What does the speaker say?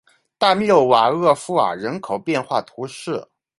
大穆瓦厄夫尔人口变化图示